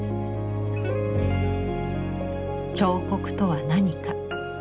「彫刻とは何か？」